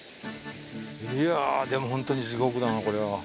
いやでも本当に地獄だなこれは。